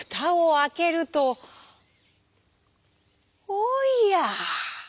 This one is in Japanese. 「おや」。